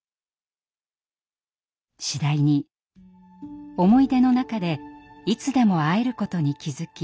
次第に思い出の中でいつでも会えることに気付き